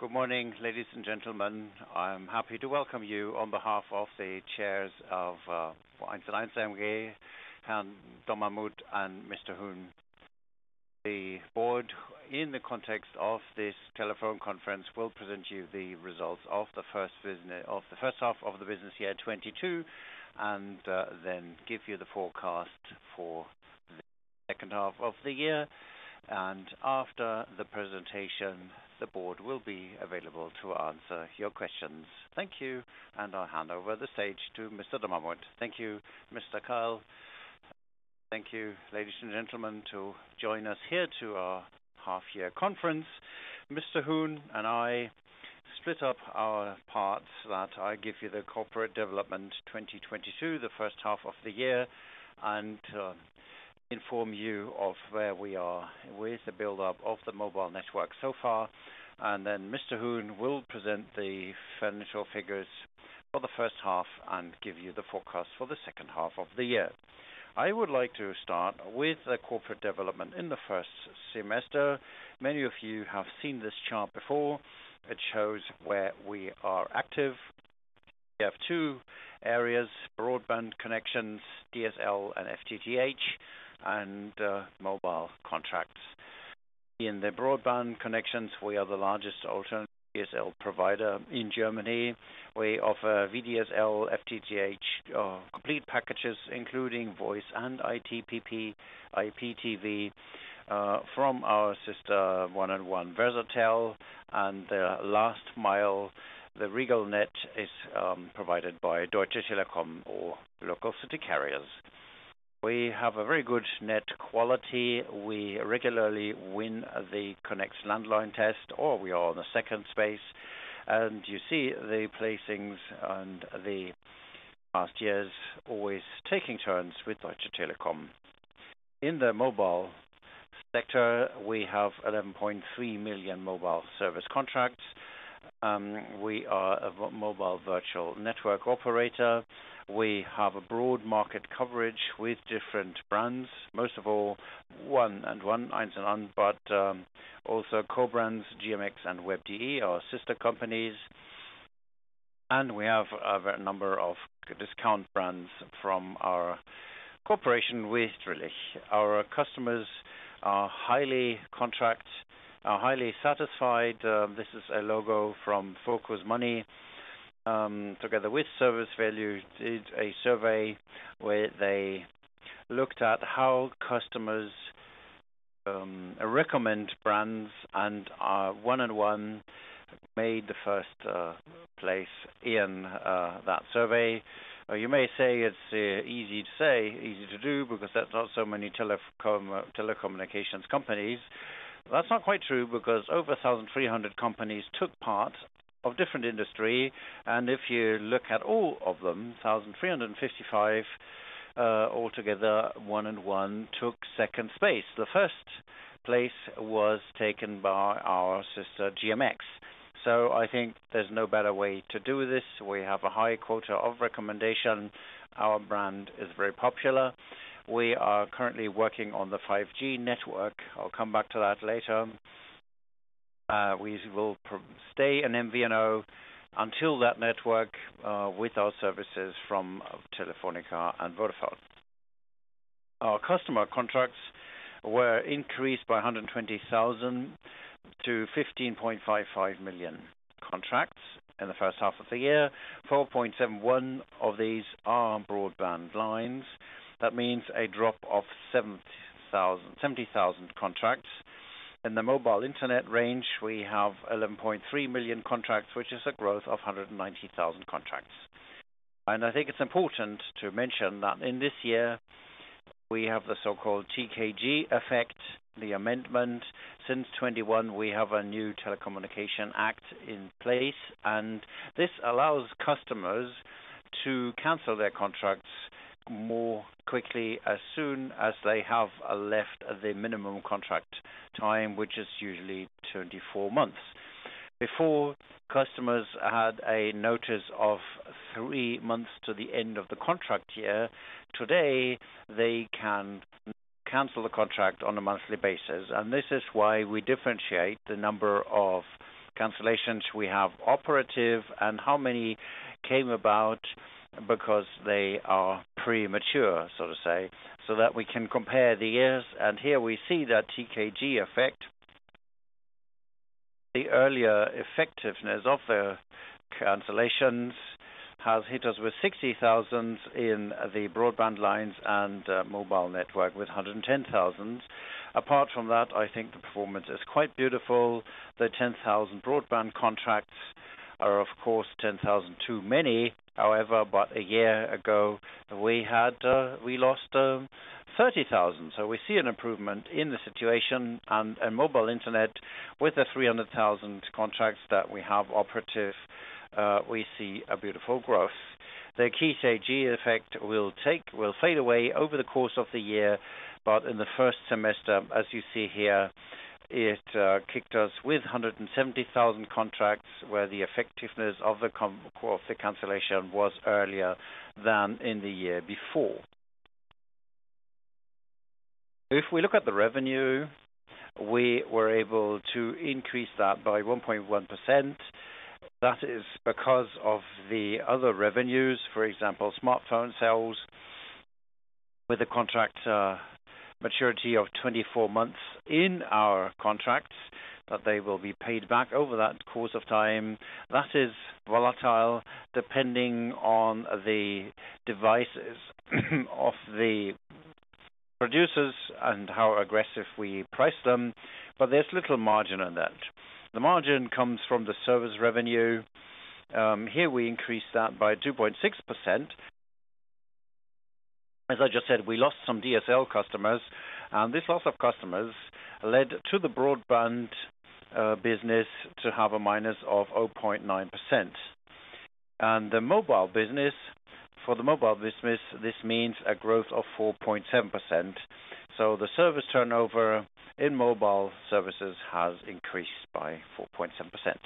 Good morning, ladies and gentlemen. I'm happy to welcome you on behalf of the chairs of 1&1 AG, Ralph Dommermuth and Mr. Huhn. The board, in the context of this telephone conference, will present you the results of the first half of the business year 2022, and then give you the forecast for the second half of the year. After the presentation, the board will be available to answer your questions. Thank you, and I'll hand over the stage to Mr. Dommermuth. Thank you, Mr. Keil. Thank you, ladies and gentlemen, for joining us here at our half-year conference. Mr. Huhn and I split up our parts, that I give you the corporate development 2022, the first half of the year, and inform you of where we are with the build-up of the mobile network so far. Then Mr. Huhn will present the financial figures for the first half and give you the forecast for the second half of the year. I would like to start with the corporate development in the first semester. Many of you have seen this chart before. It shows where we are active. We have two areas, broadband connections, DSL and FTTH, and mobile contracts. In the broadband connections, we are the largest alternative DSL provider in Germany. We offer VDSL, FTTH, complete packages, including voice and IPTV, from our sister 1&1 Versatel. The last mile, the Regelnetz is provided by Deutsche Telekom or local city carriers. We have a very good net quality. We regularly win the Connect landline test, or we are on the second place. You see the placings in the past years always taking turns with Deutsche Telekom. In the mobile sector, we have 11.3 million mobile service contracts. We are a mobile virtual network operator. We have a broad market coverage with different brands, most of all one and one, eins und eins, but also co-brands, GMX and Web.de, our sister companies. We have a number of discount brands from our cooperation with Drillisch. Our customers are highly satisfied. This is a logo from Focus Money. Focus Money, together with ServiceValue, did a survey where they looked at how customers recommend brands and one and one made the first place in that survey. You may say it's easy to say, easy to do because there's not so many telecom, telecommunications companies. That's not quite true because over 1,300 companies took part in different industries. If you look at all of them, 1,355, altogether, 1&1 took second place. The first place was taken by our sister GMX. I think there's no better way to do this. We have a high quota of recommendation. Our brand is very popular. We are currently working on the 5G network. I'll come back to that later. We will stay an MVNO until that network, with our services from Telefónica and Vodafone. Our customer contracts were increased by 120,000-15.55 million contracts in the first half of the year. 4.71 of these are broadband lines. That means a drop of 70,000 contracts. In the mobile internet range, we have 11.3 million contracts, which is a growth of 190,000 contracts. I think it's important to mention that in this year, we have the so-called TKG effect, the amendment. Since 2021, we have a new Telecommunications Act in place, and this allows customers to cancel their contracts more quickly as soon as they have left the minimum contract time, which is usually 24 months. Before, customers had a notice of three months to the end of the contract year. Today, they can cancel the contract on a monthly basis. This is why we differentiate the number of cancellations we have operative and how many came about because they are premature, so to say, so that we can compare the years. Here we see that TKG effect. The earlier effectiveness of the cancellations has hit us with 60,000 in the broadband lines and mobile network with 110,000. Apart from that, I think the performance is quite beautiful. The 10,000 broadband contracts are, of course, 10,000 too many. However, about a year ago, we lost 30,000. We see an improvement in the situation and a mobile internet with the 300,000 contracts that we have operative, we see a beautiful growth. The TKG effect will fade away over the course of the year, but in the first semester, as you see here, it kicked us with 170,000 contracts, where the effectiveness of the cancellation was earlier than in the year before. If we look at the revenue, we were able to increase that by 1.1%. That is because of the other revenues. For example, smartphone sales with a contract maturity of 24 months in our contracts, that they will be paid back over that course of time. That is volatile depending on the devices of the producers and how aggressive we price them, but there's little margin on that. The margin comes from the service revenue. Here we increase that by 2.6%. As I just said, we lost some DSL customers, and this loss of customers led to the broadband business to have a minus of 0.9%. The mobile business. For the mobile business, this means a growth of 4.7%. The service turnover in mobile services has increased by 4.7%.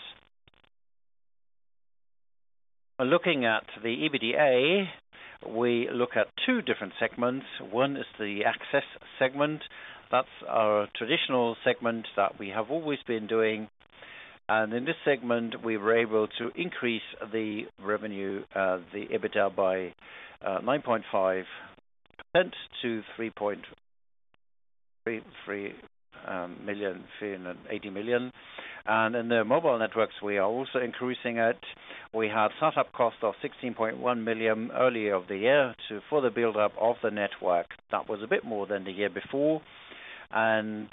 Looking at the EBITDA, we look at two different segments. One is the access segment. That's our traditional segment that we have always been doing. In this segment, we were able to increase the revenue, the EBITDA by 9.5% to 333 million, 380 million. In the mobile networks, we are also increasing it. We had startup cost of 16.1 million earlier in the year to further buildup of the network. That was a bit more than the year before. The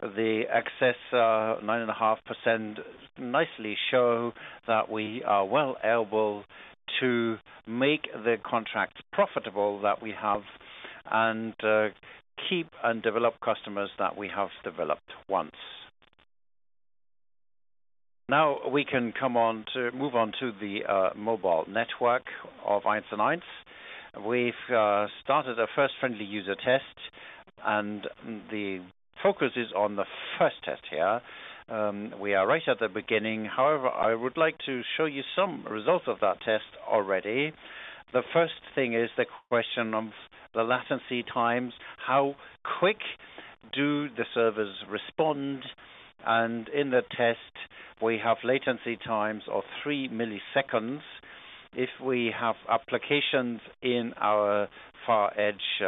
increase 9.5% nicely show that we are well able to make the contract profitable that we have and keep and develop customers that we have developed once. Now, we can move on to the mobile network of United Internet. We've started a first friendly user test, and the focus is on the first test here. We are right at the beginning. However, I would like to show you some results of that test already. The first thing is the question of the latency times. How quick do the servers respond? In the test, we have latency times of 3 milliseconds. If we have applications in our far edge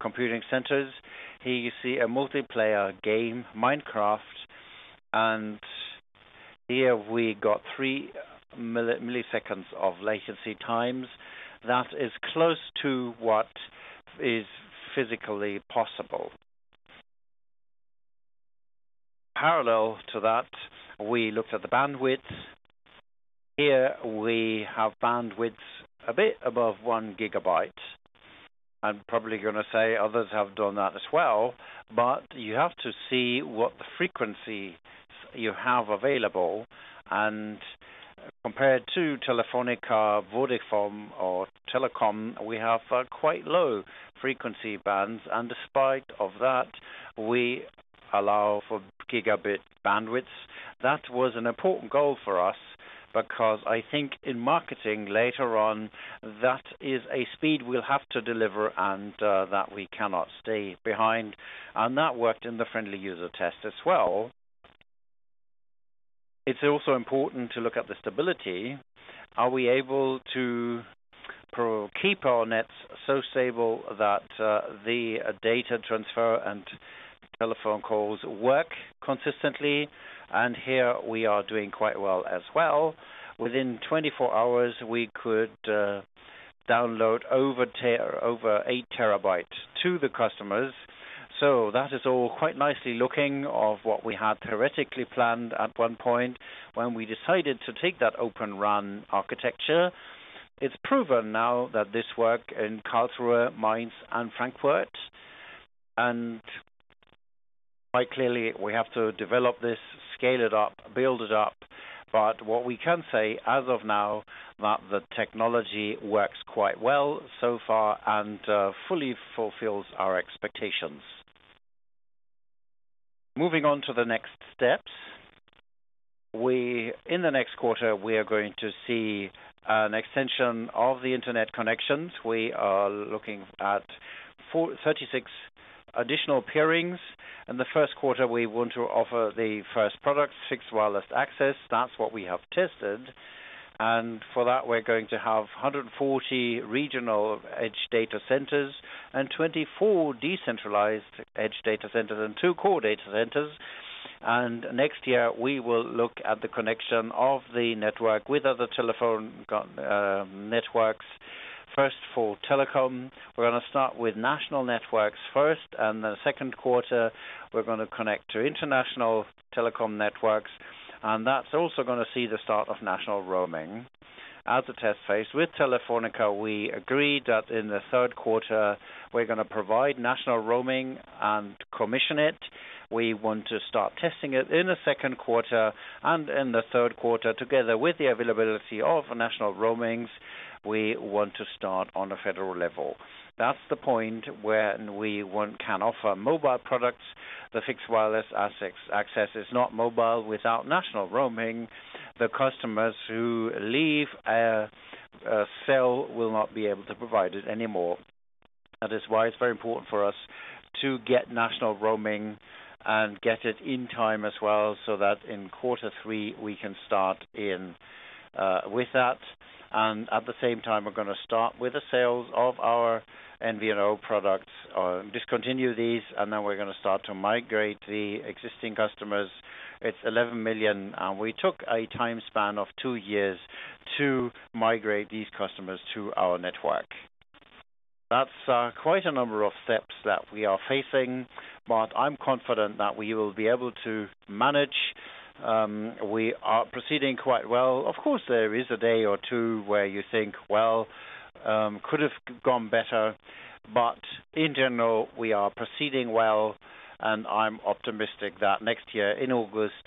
computing centers. Here you see a multiplayer game, Minecraft, and here we got 3 milliseconds of latency times. That is close to what is physically possible. Parallel to that, we looked at the bandwidth. Here we have bandwidth a bit above 1 Gb. I'm probably gonna say others have done that as well, but you have to see what frequency you have available. Compared to Telefónica, Vodafone or Deutsche Telekom, we have quite low frequency bands. Despite of that, we allow for gigabit bandwidth. That was an important goal for us because I think in marketing later on, that is a speed we'll have to deliver and that we cannot stay behind. That worked in the friendly user test as well. It's also important to look at the stability. Are we able to keep our nets so stable that the data transfer and telephone calls work consistently? Here we are doing quite well as well. Within 24 hours, we could download over eight terabytes to the customers. That is all quite nicely looking of what we had theoretically planned at one point when we decided to take that Open RAN architecture. It's proven now that this work in Karlsruhe, Mainz and Frankfurt. Quite clearly, we have to develop this, scale it up, build it up. What we can say as of now, that the technology works quite well so far and fully fulfills our expectations. Moving on to the next steps. In the next quarter, we are going to see an extension of the Internet connections. We are looking at 36 additional pairings. In the first quarter, we want to offer the first product, fixed wireless access. That's what we have tested. For that, we're going to have 140 regional edge data centers and 24 decentralized edge data centers and 2 core data centers. Next year, we will look at the connection of the network with other telephone networks. First, for telecom, we're gonna start with national networks first, and the second quarter, we're gonna connect to international telecom networks, and that's also gonna see the start of national roaming. As a test phase with Telefónica, we agreed that in the third quarter we're gonna provide national roaming and commission it. We want to start testing it in the second quarter. In the third quarter, together with the availability of national roamings, we want to start on a federal level. That's the point when we can offer mobile products. The fixed wireless access is not mobile without national roaming. The customers who leave Drillisch will not be able to provide it anymore. That is why it's very important for us to get national roaming and get it in time as well, so that in quarter three we can start in with that. At the same time, we're gonna start with the sales of our MVNO products. Discontinue these, and then we're gonna start to migrate the existing customers. It's 11 million, and we took a time span of two years to migrate these customers to our network. That's quite a number of steps that we are facing, but I'm confident that we will be able to manage. We are proceeding quite well. Of course, there is a day or two where you think, well, could have gone better, but in general, we are proceeding well, and I'm optimistic that next year in August,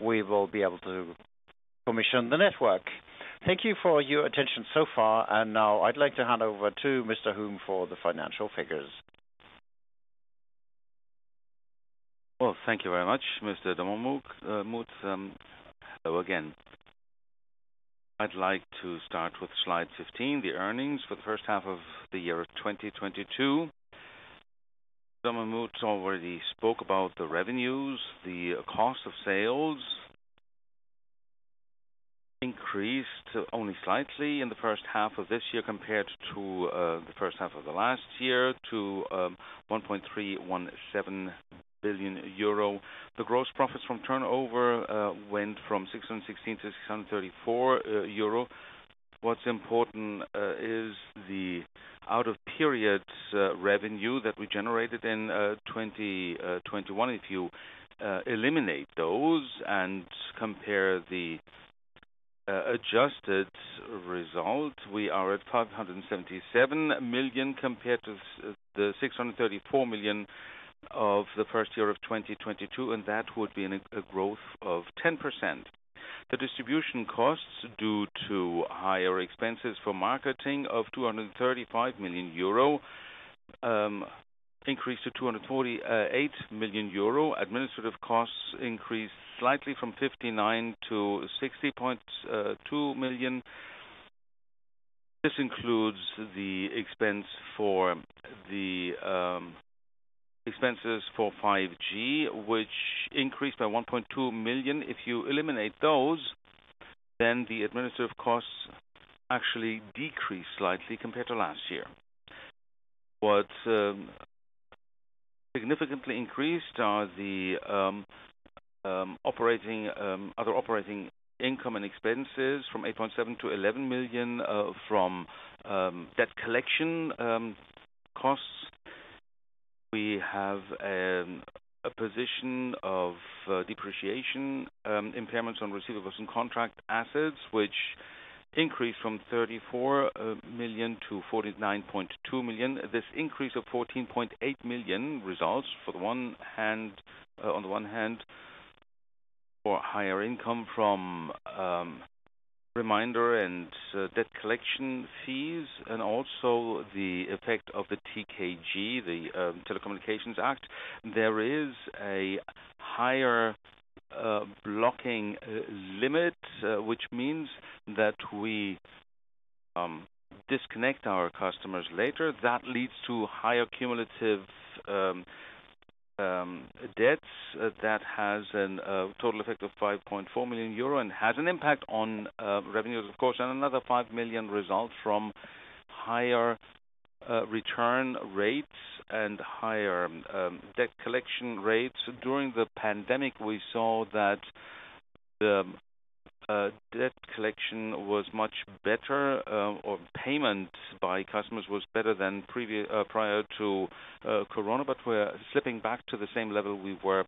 we will be able to commission the network. Thank you for your attention so far. Now I'd like to hand over to Mr. Huhn for the financial figures. Well, thank you very much, Mr. Dommermuth. Hello again. I'd like to start with slide 15, the earnings for the first half of the year 2022. Dommermuth already spoke about the revenues. The cost of sales increased only slightly in the first half of this year compared to the first half of the last year to 1.317 billion euro. The gross profits from turnover went from 616-634 euro. What's important is the out-of-period revenue that we generated in 2021. If you eliminate those and compare the adjusted result, we are at 577 million compared to the 634 million of the first year of 2022, and that would be a growth of 10%. The distribution costs due to higher expenses for marketing of 235 million euro increased to 248 million euro. Administrative costs increased slightly from 59 million-60.2 million. This includes the expenses for 5G, which increased by 1.2 million. If you eliminate those, then the administrative costs actually decrease slightly compared to last year. What significantly increased are the other operating income and expenses from 8.7 million-11 million from debt collection costs. We have a position of depreciation impairments on receivables and contract assets, which increased from 34 million-49.2 million. This increase of 14.8 million results, on the one hand, from higher income from reminder and debt collection fees and also the effect of the TKG, the Telecommunications Act. There is a higher blocking limit which means that we disconnect our customers later. That leads to higher cumulative debts that has a total effect of 5.4 million euro and has an impact on revenues, of course, and another 5 million results from higher return rates and higher debt collection rates. During the pandemic, we saw that the debt collection was much better, or payment by customers was better than prior to Corona, but we're slipping back to the same level we were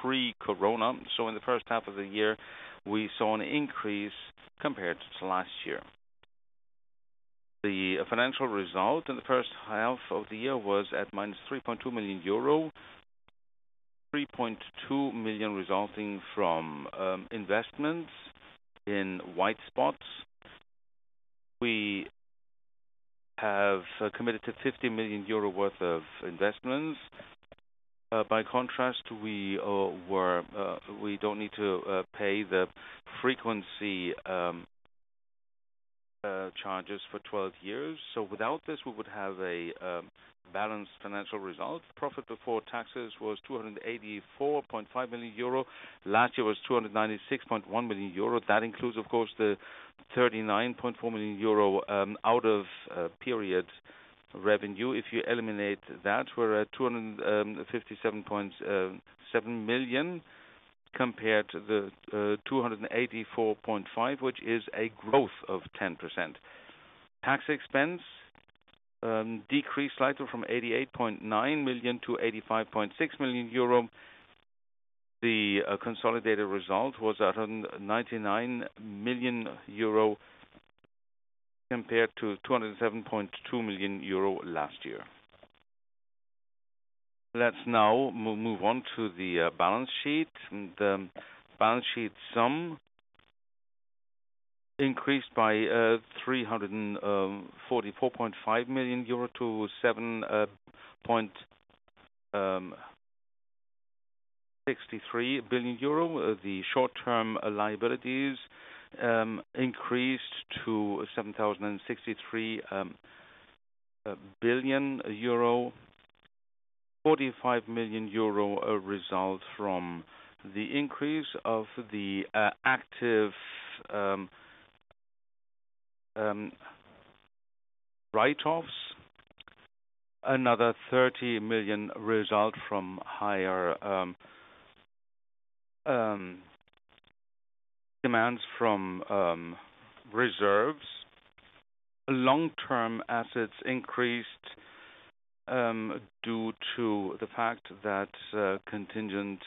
pre-Corona. In the first half of the year, we saw an increase compared to last year. The financial result in the first half of the year was at -3.2 million euro. 3.2 million resulting from investments in white spots. We have committed to 50 million euro worth of investments. By contrast, we don't need to pay the frequency charges for 12 years. Without this, we would have a balanced financial result. Profit before taxes was 284.5 million euro. Last year was 296.1 million euro. That includes, of course, the 39.4 million euro out of period revenue. If you eliminate that, we're at 257.7 million compared to the 284.5, which is a growth of 10%. Tax expense decreased slightly from 88.9 million-85.6 million euro. The consolidated result was at 99 million euro compared to 207.2 million euro last year. Let's now move on to the balance sheet. Balance sheet sum increased by 344.5 million-7.063 billion euro. The short-term liabilities increased to 7.063 billion euro. 45 million euro result from the increase of the active write-offs. Another 30 million result from higher demands from reserves. Long-term assets increased due to the fact that contingent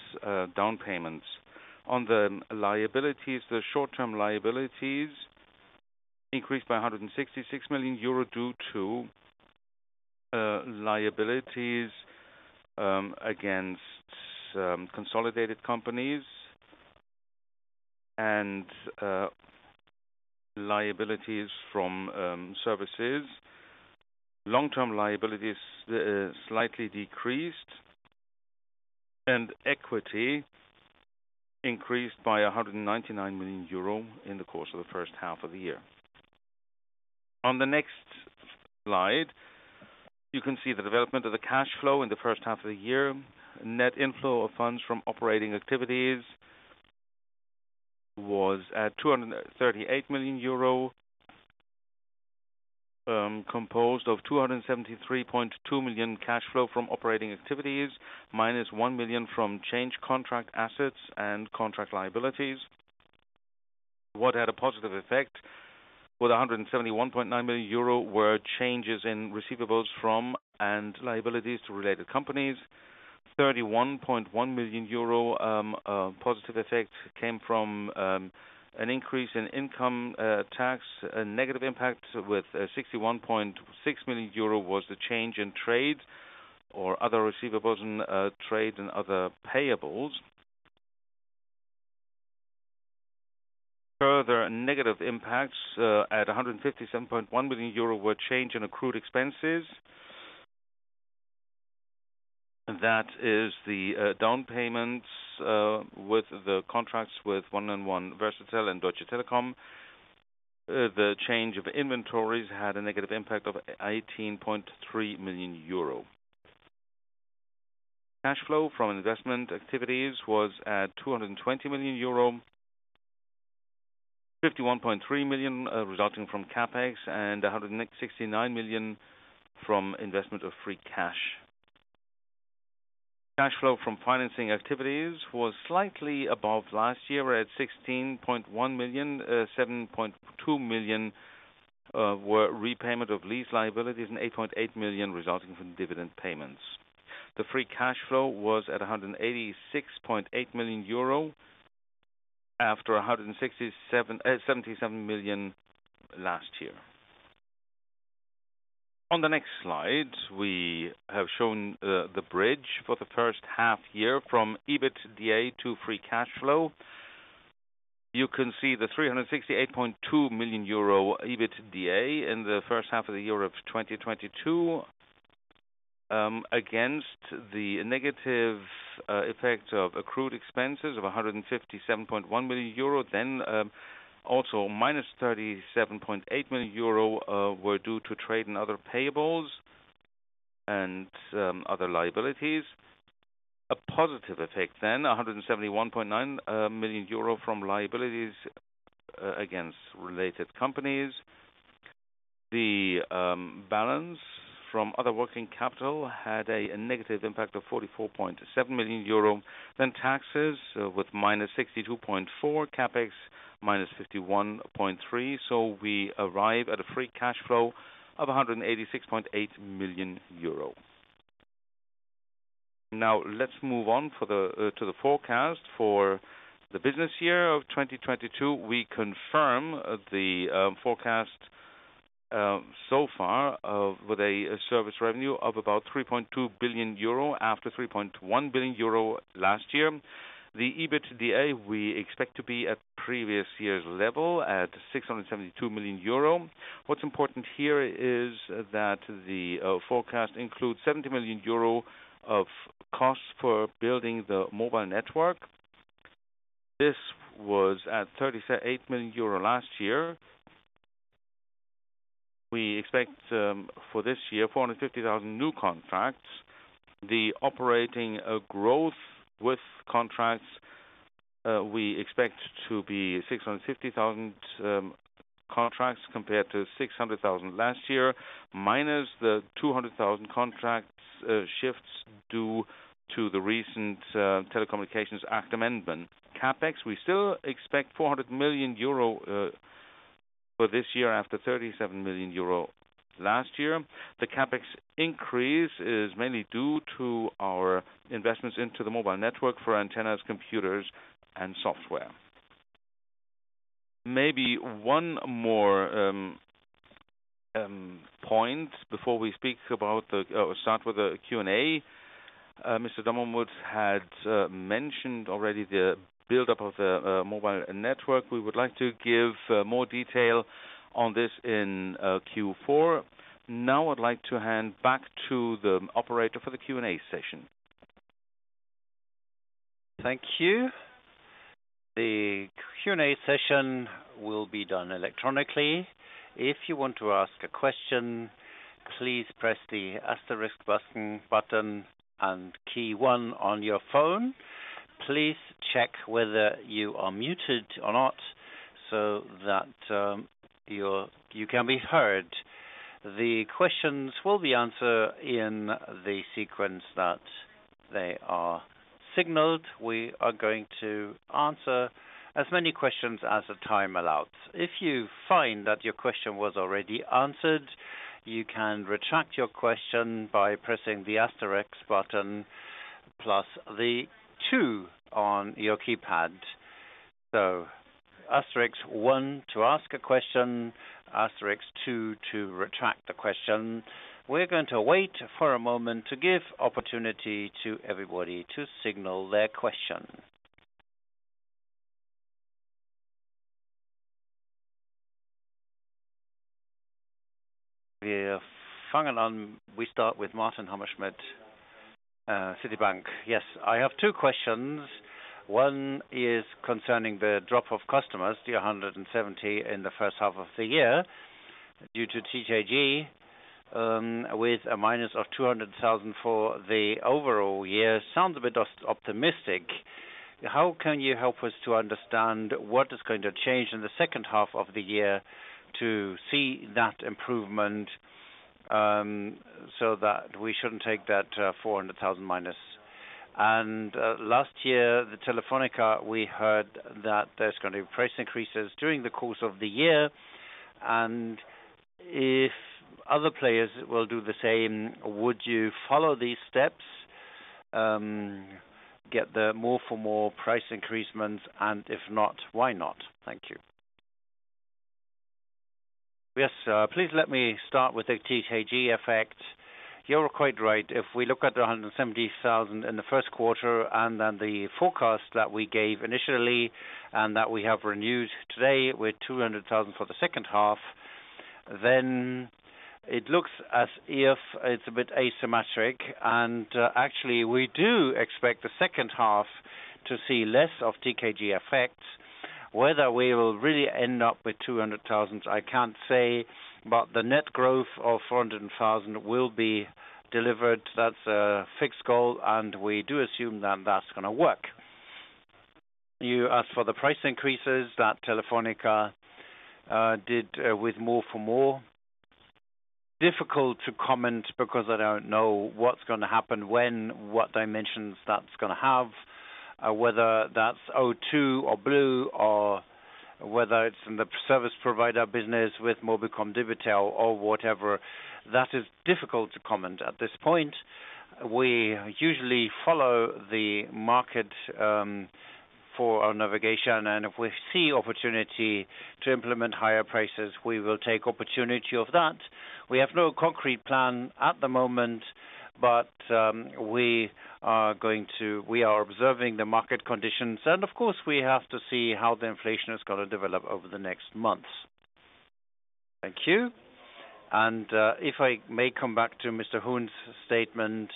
down payments. On the liabilities, the short-term liabilities increased by 166 million euro due to liabilities against consolidated companies and liabilities from services. Long-term liabilities slightly decreased, and equity increased by 199 million euro in the course of the first half of the year. On the next slide, you can see the development of the cash flow in the first half of the year. Net inflow of funds from operating activities was at 238 million euro, composed of 273.2 million cash flow from operating activities, minus 1 million from change contract assets and contract liabilities. What had a positive effect with 171.9 million euro were changes in receivables from and liabilities to related companies. 31.1 million euro positive effect came from an increase in income tax. A negative impact with 61.6 million euro was the change in trade and other receivables and trade and other payables. Further negative impacts at 157.1 million euro were change in accrued expenses. That is the down payments with the contracts with 1&1 Versatel and Deutsche Telekom. The change of inventories had a negative impact of 18.3 million euro. Cash flow from investment activities was at 220 million euro, 51.3 million resulting from CapEx and 169 million from investment of free cash. Cash flow from financing activities was slightly above last year. We're at 16.1 million. 7.2 million were repayment of lease liabilities and eight point eight million resulting from dividend payments. The free cash flow was at 186.8 million euro after 177 million last year. On the next slide, we have shown the bridge for the first half year from EBITDA to free cash flow. You can see the 368.2 million euro EBITDA in the first half of the year of 2022 against the negative effect of accrued expenses of 157.1 million euro. Then also minus 37.8 million euro were due to trade and other payables and other liabilities. A positive effect, 171.9 million euro from liabilities against related companies. The balance from other working capital had a negative impact of 44.7 million euro. Taxes with minus 62.4 million, CapEx minus 51.3 million. We arrive at a free cash flow of 186.8 million euro. Now let's move on to the forecast for the business year of 2022. We confirm the forecast so far with a service revenue of about 3.2 billion euro after 3.1 billion euro last year. The EBITDA we expect to be at previous year's level at 672 million euro. What's important here is that the forecast includes 70 million euro of costs for building the mobile network. This was at 38 million euro last year. We expect for this year 450,000 new contracts. The operating growth with contracts we expect to be 650,000 contracts compared to 600,000 last year, minus the 200,000 contracts shifts due to the recent Telecommunications Act amendment. CapEx, we still expect 400 million euro for this year after 37 million euro last year. The CapEx increase is mainly due to our investments into the mobile network for antennas, computers and software. Maybe one more. Point before we speak about or start with the Q&A. Mr. Dommermuth had mentioned already the buildup of the mobile network. We would like to give more detail on this in Q4. Now, I'd like to hand back to the operator for the Q&A session. Thank you. The Q&A session will be done electronically. If you want to ask a question, please press the asterisk button and key one on your phone. Please check whether you are muted or not so that you can be heard. The questions will be answered in the sequence that they are signaled. We are going to answer as many questions as the time allows. If you find that your question was already answered, you can retract your question by pressing the asterisk button plus the two on your keypad. Asterisk one to ask a question, asterisk two to retract the question. We're going to wait for a moment to give opportunity to everybody to signal their question. We start with Martin Hammerschmidt, Citibank. Yes. I have two questions. One is concerning the drop of customers, 170 in the first half of the year due to TKG, with a minus of 200,000 for the overall year. Sounds a bit optimistic. How can you help us to understand what is going to change in the second half of the year to see that improvement, so that we shouldn't take that 400,000 minus? Last year, Telefónica, we heard that there's gonna be price increases during the course of the year. If other players will do the same, would you follow these steps, get the more for more price increases, and if not, why not? Thank you. Yes. Please let me start with the TKG effect. You're quite right. If we look at the 170,000 in the first quarter and then the forecast that we gave initially and that we have renewed today with 200,000 for the second half, then it looks as if it's a bit asymmetric. Actually, we do expect the second half to see less of TKG effects. Whether we will really end up with 200,000, I can't say, but the net growth of 400,000 will be delivered. That's a fixed goal, and we do assume that that's gonna work. You asked for the price increases that Telefónica did with more for more. Difficult to comment because I don't know what's gonna happen when, what dimensions that's gonna have, whether that's O2 or Blau or whether it's in the service provider business with mobilcom-debitel or whatever. That is difficult to comment at this point. We usually follow the market for our navigation, and if we see opportunity to implement higher prices, we will take opportunity of that. We have no concrete plan at the moment, but we are observing the market conditions. Of course, we have to see how the inflation is gonna develop over the next months. Thank you. If I may come back to Mr. Huhn's statement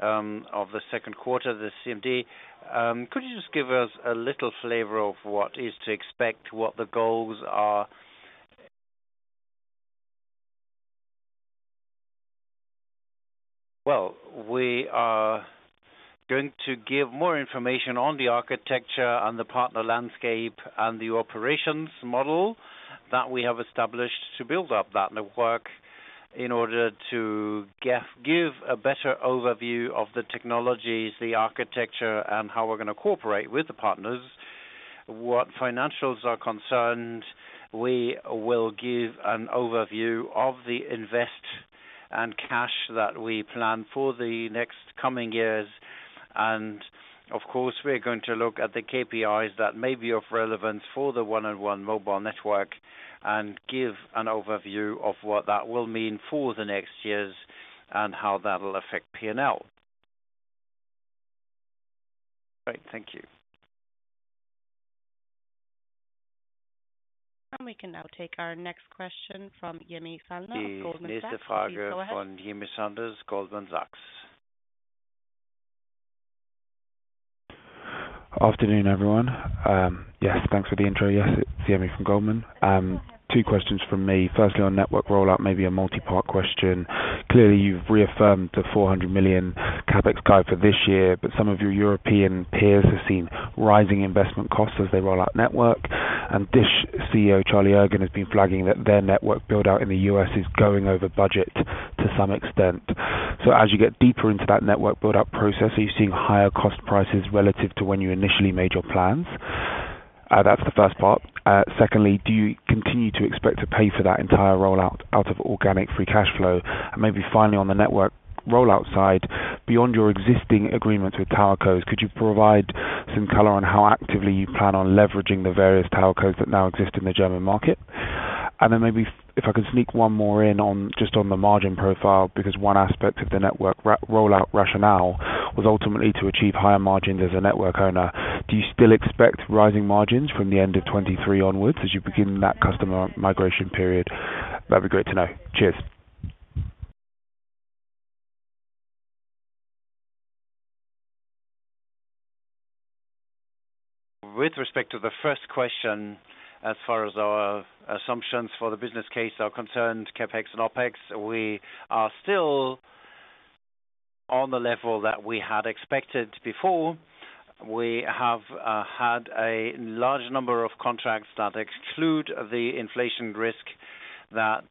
of the second quarter, the CMD, could you just give us a little flavor of what is to expect, what the goals are? Well, we are going to give more information on the architecture and the partner landscape and the operations model that we have established to build up that network in order to give a better overview of the technologies, the architecture, and how we're gonna cooperate with the partners. What financials are concerned, we will give an overview of the investments and cash that we plan for the next coming years. Of course, we are going to look at the KPIs that may be of relevance for the 1&1 mobile network and give an overview of what that will mean for the next years and how that'll affect P&L. Great. Thank you. We can now take our next question from Yemi Falana, Goldman Sachs. Please go ahead. The next question from Yemi Falana, Goldman Sachs. Afternoon, everyone. Yes, thanks for the intro. Yes, it's Yemi from Goldman. Two questions from me. Firstly, on network rollout, maybe a multi-part question. Clearly, you've reaffirmed the 400 million CapEx guide for this year, but some of your European peers have seen rising investment costs as they roll out network. Dish CEO Charlie Ergen has been flagging that their network build-out in the U.S. is going over budget to some extent. As you get deeper into that network build-out process, are you seeing higher cost prices relative to when you initially made your plans? That's the first part. Secondly, do you continue to expect to pay for that entire rollout out of organic free cash flow? Maybe finally on the network. Rollout side beyond your existing agreements with telcos. Could you provide some color on how actively you plan on leveraging the various telcos that now exist in the German market? Maybe if I could sneak one more in on, just on the margin profile, because one aspect of the network rollout rationale was ultimately to achieve higher margins as a network owner. Do you still expect rising margins from the end of 2023 onwards as you begin that customer migration period? That'd be great to know. Cheers. With respect to the first question, as far as our assumptions for the business case are concerned, CapEx and OpEx, we are still on the level that we had expected before. We have had a large number of contracts that exclude the inflation risk that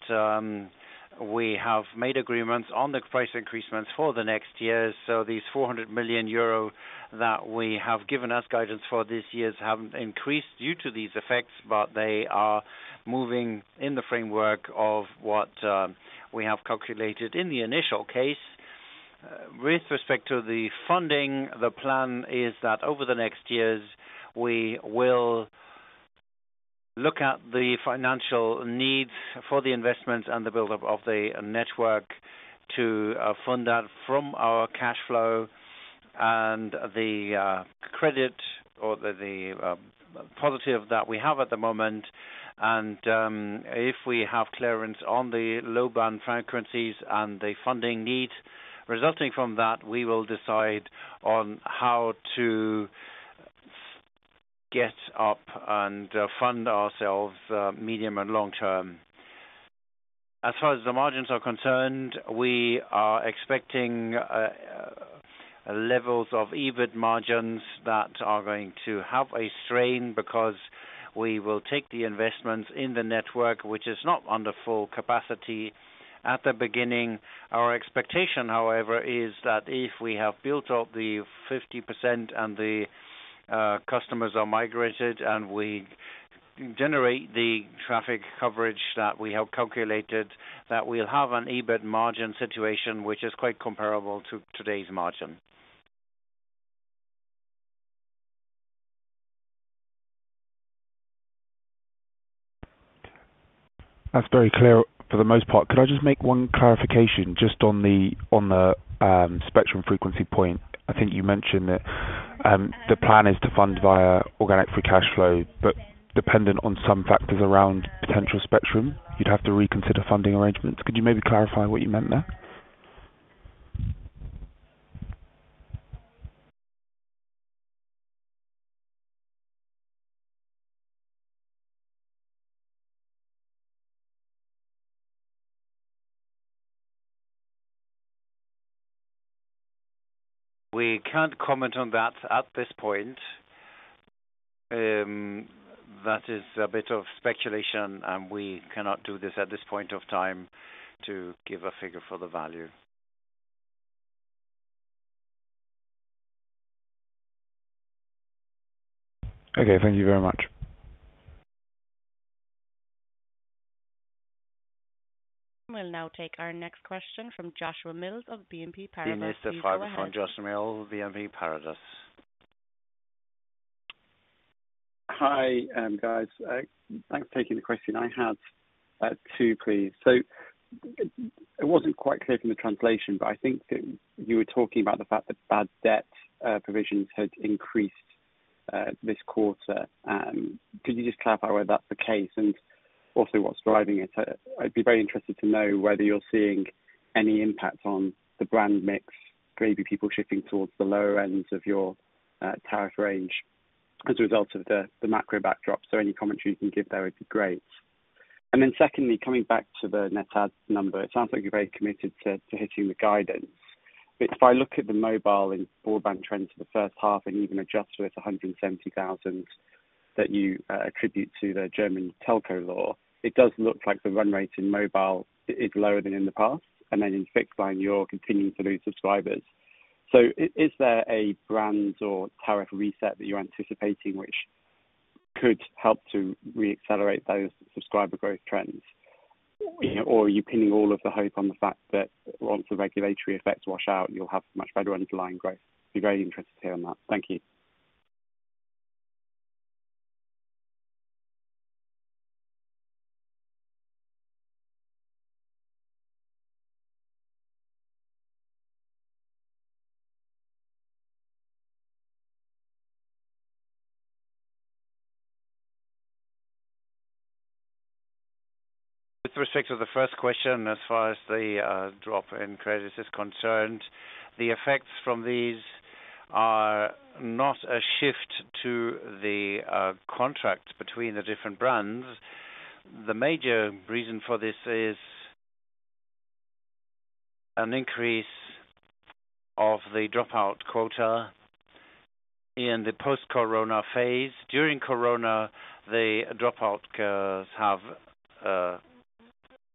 we have made agreements on the price increases for the next years. These 400 million euro that we have given us guidance for this year haven't increased due to these effects, but they are moving in the framework of what we have calculated in the initial case. With respect to the funding, the plan is that over the next years, we will look at the financial needs for the investments and the build-up of the network to fund that from our cash flow and the credit or the positive that we have at the moment. If we have clearance on the low band frequencies and the funding needs resulting from that, we will decide on how to gear up and fund ourselves medium and long term. As far as the margins are concerned, we are expecting levels of EBIT margins that are going to have a strain because we will make the investments in the network, which is not under full capacity at the beginning. Our expectation, however, is that if we have built up the 50% and the customers are migrated and we generate the traffic coverage that we have calculated, that we'll have an EBIT margin situation which is quite comparable to today's margin. That's very clear for the most part. Could I just make one clarification just on the spectrum frequency point? I think you mentioned that the plan is to fund via organic free cash flow, but dependent on some factors around potential spectrum, you'd have to reconsider funding arrangements. Could you maybe clarify what you meant there? We can't comment on that at this point. That is a bit of speculation, and we cannot do this at this point of time to give a figure for the value. Okay. Thank you very much. We'll now take our next question from Joshua Mills of BNP Paribas. BNP Paribas for Joshua Mills, BNP Paribas. Hi, guys. Thanks for taking the question. I have two, please. It wasn't quite clear from the translation, but I think you were talking about the fact that bad debt provisions had increased this quarter. Could you just clarify whether that's the case and also what's driving it? I'd be very interested to know whether you're seeing any impact on the brand mix, maybe people shifting towards the lower ends of your tariff range as a result of the macro backdrop. Any commentary you can give there would be great. Secondly, coming back to the net add number, it sounds like you're very committed to hitting the guidance. If I look at the mobile and broadband trends for the first half and even adjust with 170,000 that you attribute to the German telco law, it does look like the run rate in mobile is lower than in the past. Then in fixed line, you're continuing to lose subscribers. Is there a brand or tariff reset that you're anticipating which could help to re-accelerate those subscriber growth trends? Or are you pinning all of the hope on the fact that once the regulatory effects wash out, you'll have much better underlying growth? Be very interested to hear on that. Thank you. With respect to the first question, as far as the drop in credits is concerned, the effects from these are not a shift to the contract between the different brands. The major reason for this is an increase of the dropout quota in the post-corona phase. During corona, the dropout curves have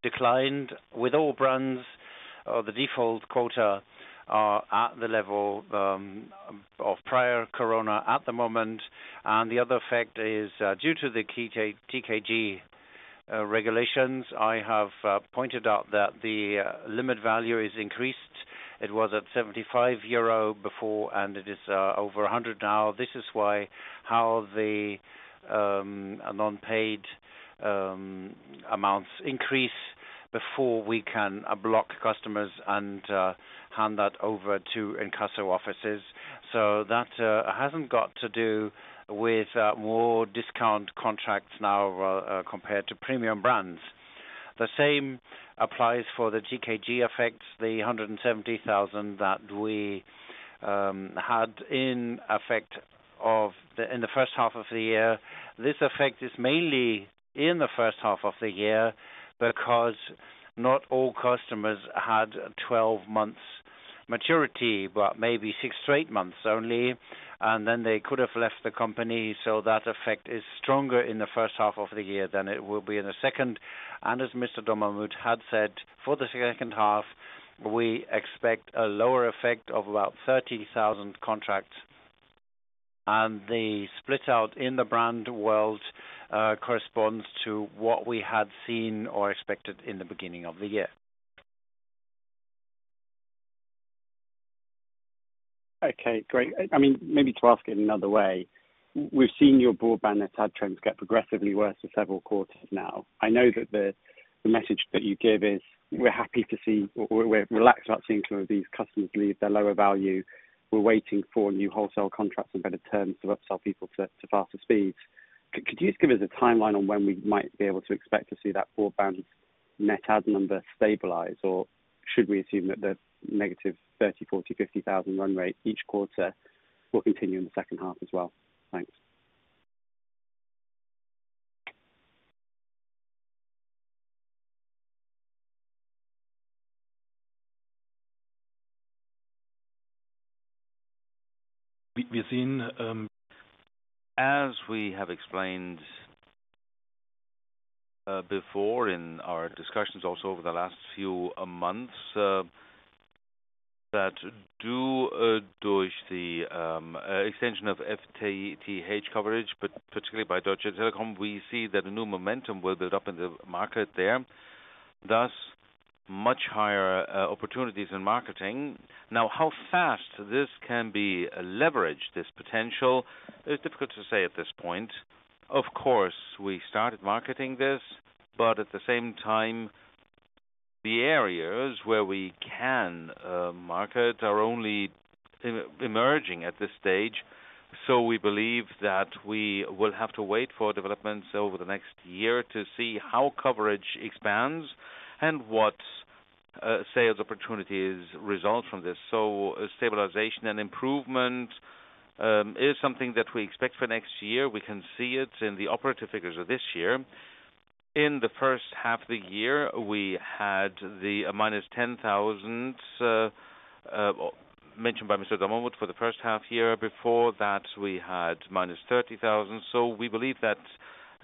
declined with all brands. The default quota are at the level of prior corona at the moment. The other effect is due to the TKG. Regulations. I have pointed out that the limit value is increased. It was at 75 euro before, and it is over 100 now. This is why the non-paid amounts increase before we can block customers and hand that over to Inkasso offices. That hasn't got to do with more discount contracts now real compared to premium brands. The same applies for the TKG effect, the 170,000 that we had in effect of the in the first half of the year. This effect is mainly in the first half of the year because not all customers had 12 months maturity, but maybe six to eight months only, and then they could have left the company. That effect is stronger in the first half of the year than it will be in the second. As Mr. Dommermuth had said, for the second half, we expect a lower effect of about 30,000 contracts. The split out in the brand world corresponds to what we had seen or expected in the beginning of the year. Okay, great. I mean, maybe to ask it another way. We've seen your broadband net add trends get progressively worse for several quarters now. I know that the message that you give is: We're happy to see or we're relaxed about seeing some of these customers leave. They're lower value. We're waiting for new wholesale contracts and better terms to upsell people to faster speeds. Could you just give us a timeline on when we might be able to expect to see that broadband net add number stabilize? Or should we assume that the negative 30,000, 40,000, 50,000 run rate each quarter will continue in the second half as well? Thanks. We've seen, as we have explained before in our discussions also over the last few months, that due to the extension of FTTH coverage, but particularly by Deutsche Telekom, we see that a new momentum will build up in the market there, thus much higher opportunities in marketing. Now, how fast this can be leveraged, this potential, is difficult to say at this point. Of course, we started marketing this, but at the same time, the areas where we can market are only emerging at this stage. We believe that we will have to wait for developments over the next year to see how coverage expands and what sales opportunities result from this. Stabilization and improvement is something that we expect for next year. We can see it in the operative figures of this year. In the first half of the year, we had the -10,000 mentioned by Mr. Dommermuth for the first half year. Before that, we had -30,000. We believe that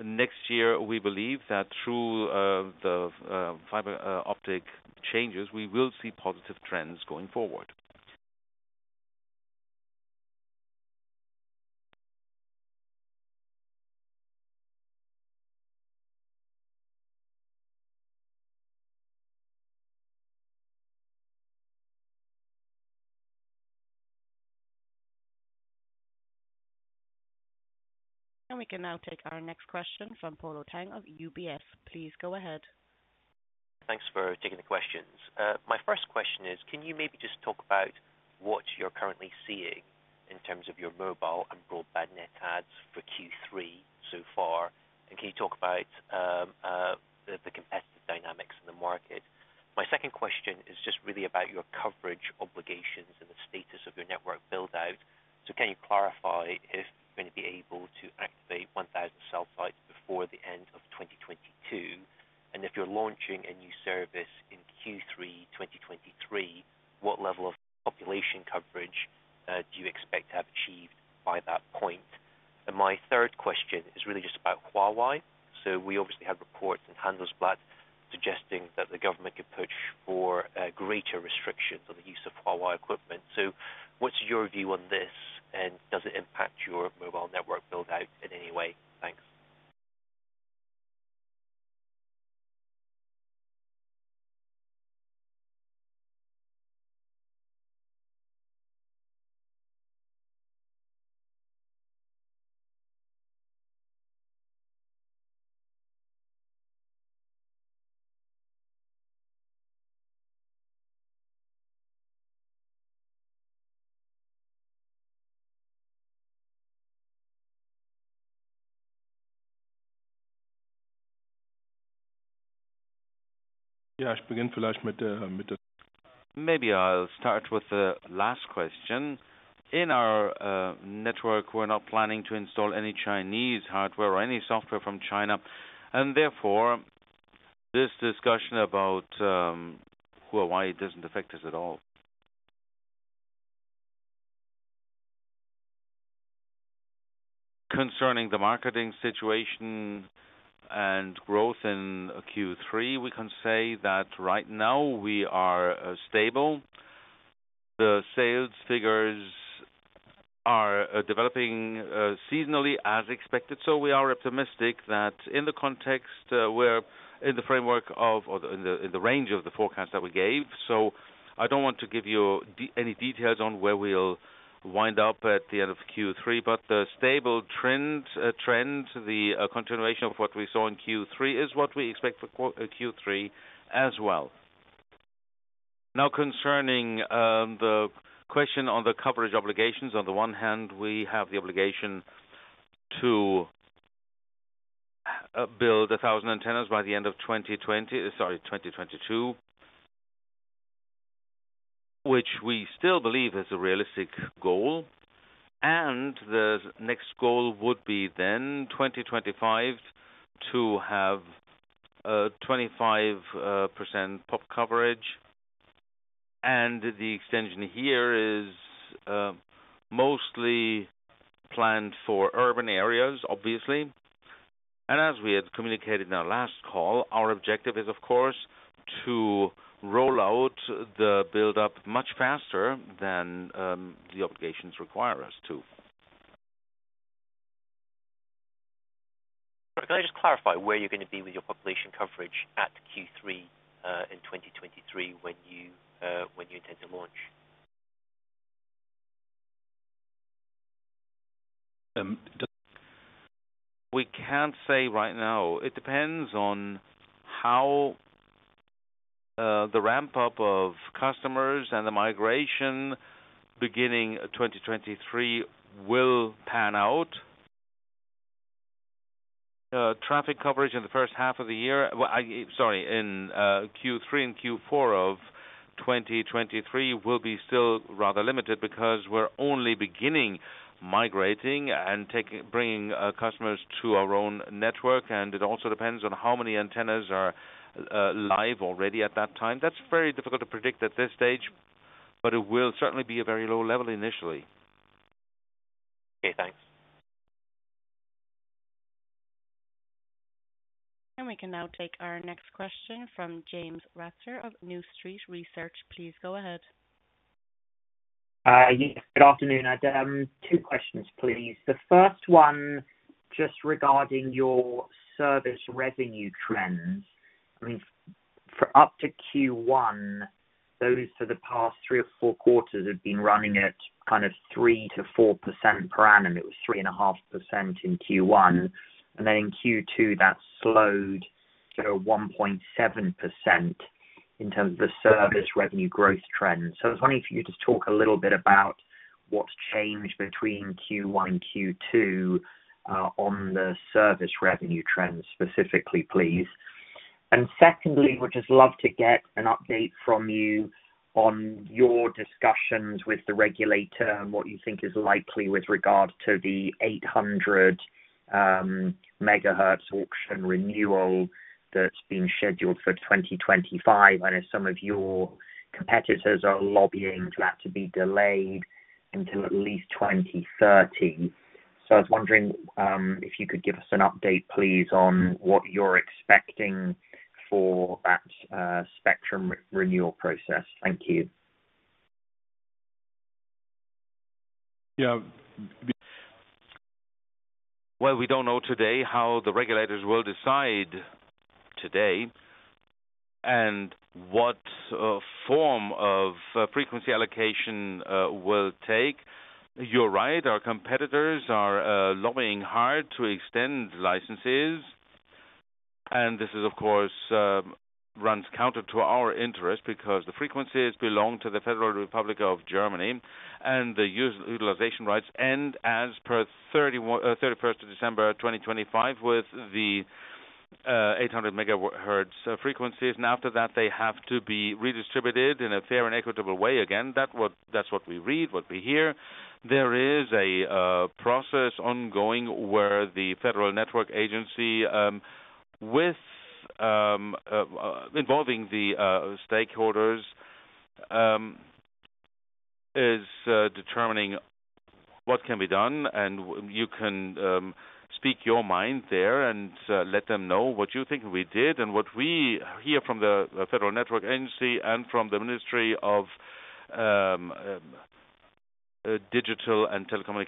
next year through the fiber-optic changes, we will see positive trends going forward. We can now take our next question from Polo Tang of UBS. Please go ahead. Thanks for taking the questions. My first question is, can you maybe just talk about what you're currently seeing in terms of your mobile and broadband net adds for Q3 so far? Can you talk about the competitive dynamics in the market? My second question is just really about your coverage obligations and the status of your network build out. Can you clarify if you're gonna be able to activate 1,000 cell sites before the end of 2022? If you're launching a new service in Q3 2023, what level of population coverage do you expect to have achieved by that point? My third question is really just about Huawei. We obviously have reports in Handelsblatt suggesting that the government could push for greater restrictions on the use of Huawei equipment. What's your view on this? Does it impact your mobile network build out in any way? Thanks. Yeah. Maybe I'll start with the last question. In our network, we're not planning to install any Chinese hardware or any software from China, and therefore, this discussion about Huawei doesn't affect us at all. Concerning the marketing situation and growth in Q3, we can say that right now we are stable. The sales figures are developing seasonally as expected. We are optimistic that in the context, we're in the framework of or in the range of the forecast that we gave. I don't want to give you any details on where we'll wind up at the end of Q3, but the stable trend, the continuation of what we saw in Q3 is what we expect for Q3 as well. Now, concerning the question on the coverage obligations. On the one hand, we have the obligation to build 1,000 antennas by the end of 2022. Which we still believe is a realistic goal, and the next goal would be then 2025 to have 25% pop coverage. The extension here is mostly planned for urban areas, obviously. As we had communicated in our last call, our objective is, of course, to roll out the build-up much faster than the obligations require us to. Can I just clarify where you're gonna be with your population coverage at Q3, in 2023 when you intend to launch? We can't say right now. It depends on how the ramp-up of customers and the migration beginning 2023 will pan out. Traffic coverage in Q3 and Q4 of 2023 will be still rather limited because we're only beginning migrating and bringing customers to our own network, and it also depends on how many antennas are live already at that time. That's very difficult to predict at this stage, but it will certainly be a very low level initially. Okay, thanks. We can now take our next question from James Ratzer of New Street Research. Please go ahead. Yes, good afternoon. I'd two questions, please. The first one, just regarding your service revenue trends. I mean, for up to Q1, those for the past three or four quarters have been running at kind of 3%-4% per annum. It was 3.5% in Q1, and then in Q2, that slowed to 1.7% in terms of the service revenue growth trend. I was wondering if you could just talk a little bit about what's changed between Q1 and Q2, on the service revenue trends specifically, please. Secondly, would just love to get an update from you on your discussions with the regulator and what you think is likely with regard to the 800 MHz auction renewal that's been scheduled for 2025. I know some of your competitors are lobbying for that to be delayed until at least 2030. I was wondering if you could give us an update, please, on what you're expecting for that spectrum renewal process? Thank you. Yeah. Well, we don't know today how the regulators will decide today and what form of frequency allocation will take. You're right. Our competitors are lobbying hard to extend licenses. This is, of course, runs counter to our interest because the frequencies belong to the Federal Republic of Germany, and the utilization rights end as per 31st of December 2025 with the 800 MHz frequencies. After that they have to be redistributed in a fair and equitable way. Again, that's what we read, what we hear. There is a process ongoing where the Federal Network Agency with involving the stakeholders is determining what can be done, and you can speak your mind there and let them know what you think. We did, and what we hear from the Federal Network Agency and from the Federal Ministry for Digital and Transport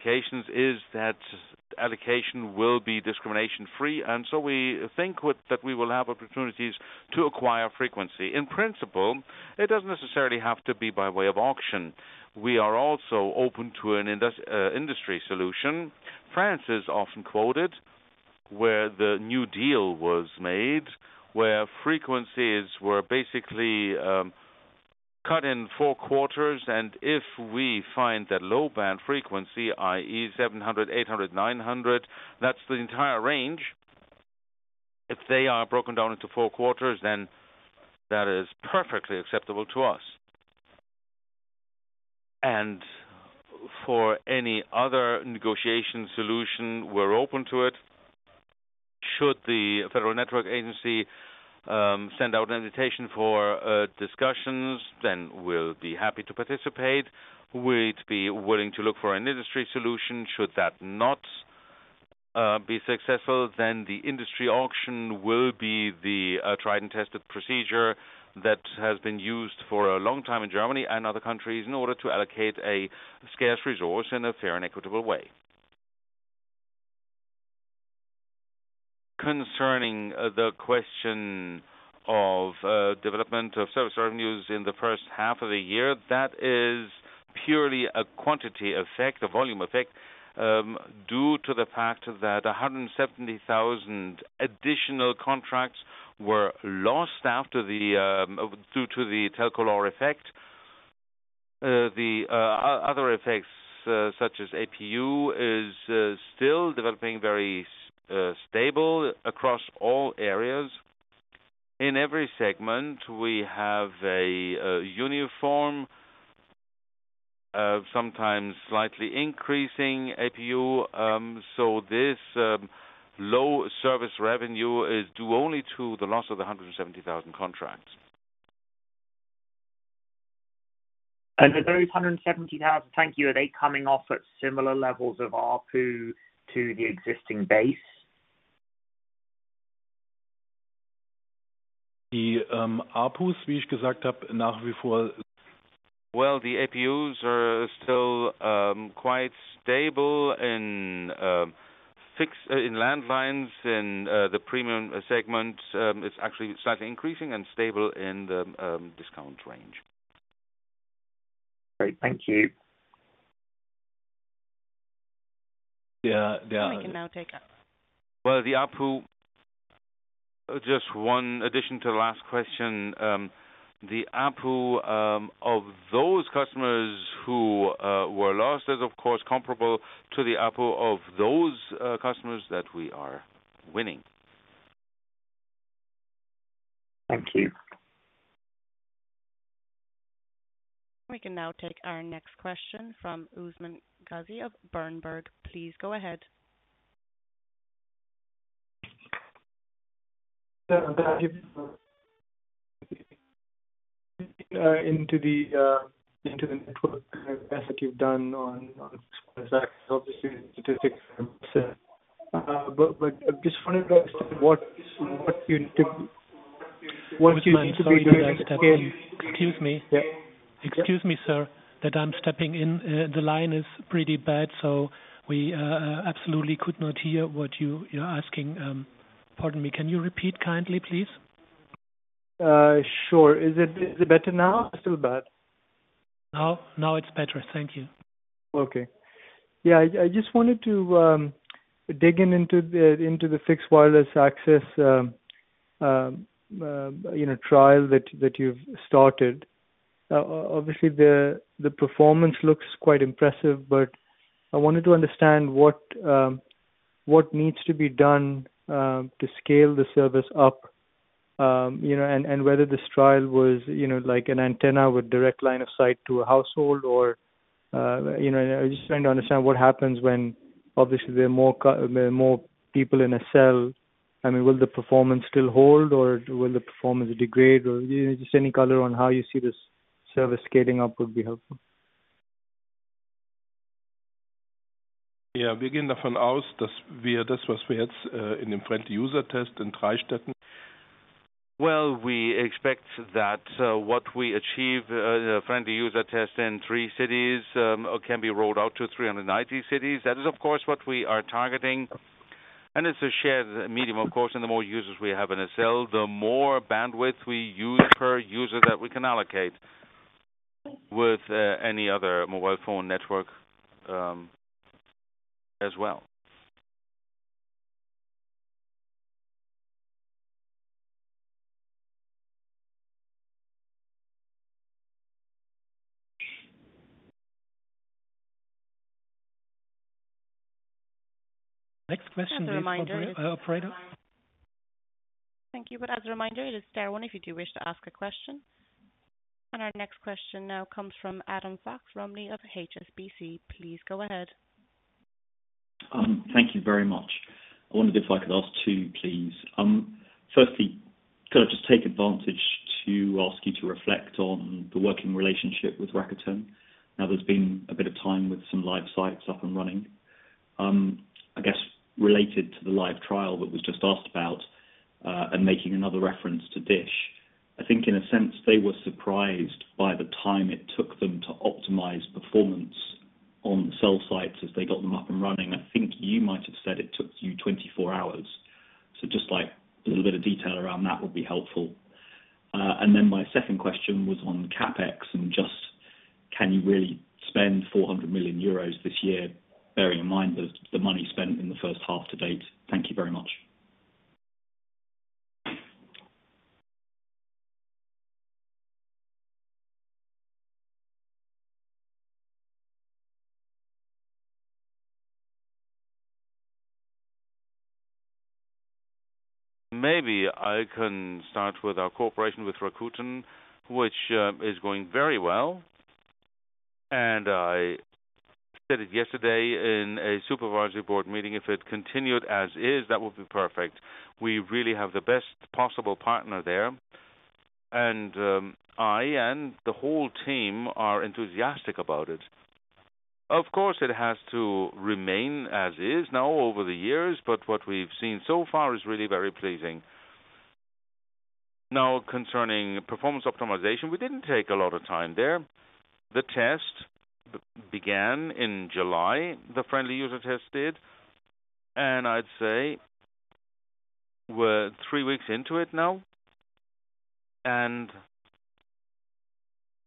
is that allocation will be discrimination free. We think that we will have opportunities to acquire frequency. In principle, it doesn't necessarily have to be by way of auction. We are also open to an industry solution. France is often quoted, where the New Deal for Mobile was made, where frequencies were basically cut in four quarters. If we find that low-band frequency, i.e., 700, 800, 900, that's the entire range. If they are broken down into four quarters, then that is perfectly acceptable to us. For any other negotiation solution, we're open to it. Should the Federal Network Agency send out an invitation for discussions, then we'll be happy to participate. We'd be willing to look for an industry solution should that not be successful, then the industry auction will be the tried and tested procedure that has been used for a long time in Germany and other countries in order to allocate a scarce resource in a fair and equitable way. Concerning the question of development of service revenues in the first half of the year, that is purely a quantity effect, a volume effect, due to the fact that 170,000 additional contracts were lost due to the Telekom effect. The other effects, such as ARPU, is still developing very stable across all areas. In every segment, we have a uniform, sometimes slightly increasing ARPU. This low service revenue is due only to the loss of 170,000 contracts. Those 170,000. Thank you. Are they coming off at similar levels of ARPU to the existing base? The ARPUs are still quite stable in fixed landlines. In the premium segment, it's actually slightly increasing and stable in the discount range. Great. Thank you. Yeah. We can now take a- Well, the ARPU. Just one addition to the last question. The ARPU of those customers who were lost is of course comparable to the ARPU of those customers that we are winning. Thank you. We can now take our next question from Usman Ghazi of Berenberg. Please go ahead. Into the network that you've done on obviously statistics. But I'm just wondering, like, what you need to be- Usman, sorry that I step in. Excuse me. Yeah. Excuse me, sir, that I'm stepping in. The line is pretty bad, so we absolutely could not hear what you're asking. Pardon me. Can you repeat kindly, please? Sure. Is it better now or still bad? Now it's better. Thank you. Okay. Yeah. I just wanted to dig into the fixed wireless access, you know, trial that you've started. Obviously the performance looks quite impressive, but I wanted to understand what needs to be done to scale the service up. You know, and whether this trial was, you know, like an antenna with direct line of sight to a household or, you know. I'm just trying to understand what happens when obviously there are more people in a cell. I mean, will the performance still hold, or will the performance degrade? Or, you know, just any color on how you see this service scaling up would be helpful. Well, we expect that what we achieve as a friendly user test in three cities can be rolled out to 390 cities. That is, of course, what we are targeting, and it's a shared medium of course. The more users we have in a cell, the more bandwidth we use per user that we can allocate with any other mobile phone network, as well. Next question is from operator. Thank you. As a reminder, it is star one if you do wish to ask a question. Our next question now comes from Adam Fox-Rumley of HSBC. Please go ahead. Thank you very much. I wondered if I could ask two, please. Firstly, could I just take advantage to ask you to reflect on the working relationship with Rakuten? Now, there's been a bit of time with some live sites up and running. I guess related to the live trial that was just asked about, and making another reference to Dish. I think in a sense they were surprised by the time it took them to optimize performance on cell sites as they got them up and running. I think you might have said it took you 24 hours. Just like a little bit of detail around that would be helpful. And then my second question was on CapEx and just, can you really spend 400 million euros this year, bearing in mind that the money spent in the first half to date? Thank you very much. Maybe I can start with our cooperation with Rakuten, which is going very well. I said it yesterday in a supervisory board meeting, if it continued as is, that would be perfect. We really have the best possible partner there. I and the whole team are enthusiastic about it. Of course, it has to remain as is now over the years, but what we've seen so far is really very pleasing. Now concerning performance optimization, we didn't take a lot of time there. The test began in July, the friendly user test did, and I'd say we're three weeks into it now.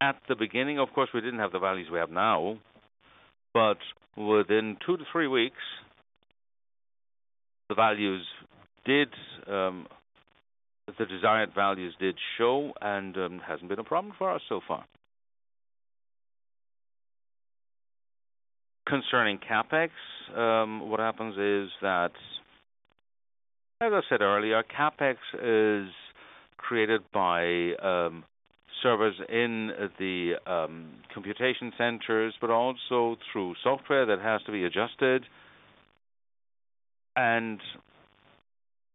At the beginning, of course, we didn't have the values we have now, but within two to three weeks, the desired values did show and hasn't been a problem for us so far. Concerning CapEx, what happens is that, as I said earlier, CapEx is created by servers in the computation centers, but also through software that has to be adjusted.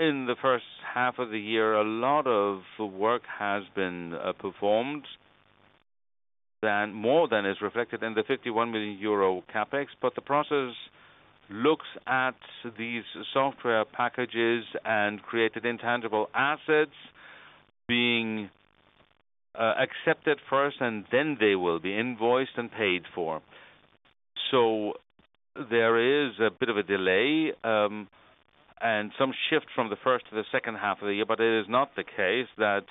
In the first half of the year, a lot of work has been performed. More than is reflected in the 51 million euro CapEx, but the process looks at these software packages and created intangible assets being accepted first, and then they will be invoiced and paid for. There is a bit of a delay, and some shift from the first to the second half of the year, but it is not the case that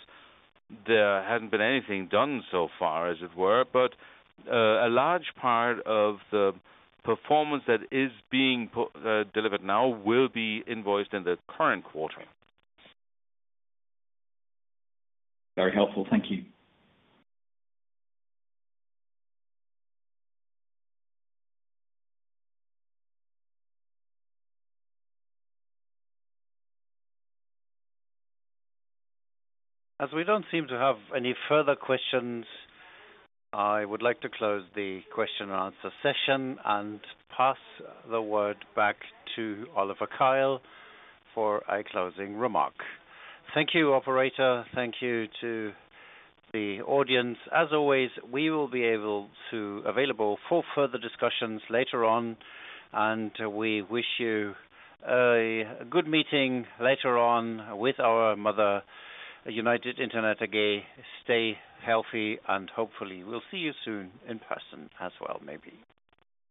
there hadn't been anything done so far, as it were. A large part of the performance that is being delivered now will be invoiced in the current quarter. Very helpful. Thank you. As we don't seem to have any further questions, I would like to close the question and answer session and pass the word back to Oliver Keil for a closing remark. Thank you, operator. Thank you to the audience. As always, we will be available for further discussions later on, and we wish you a good meeting later on with our mother, United Internet AG. Stay healthy, and hopefully we'll see you soon in person as well, maybe.